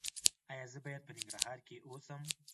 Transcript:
ایا زه باید په ننګرهار کې اوسم؟